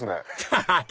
ハハハハ！